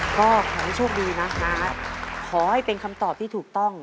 ก็ขอขอบคุณช่วงดีนะครับขอให้เป็นคำตอบที่ถูกต้อง